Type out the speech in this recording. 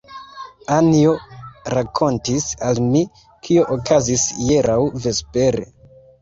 Anjo rakontis al mi, kio okazis hieraŭ vespere.